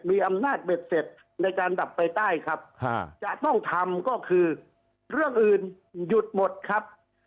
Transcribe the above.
มีอำนาจเบ็ดเสร็จในการดับไฟใต้ครับจะต้องทำก็คือเรื่องอื่นหยุดหมดครับ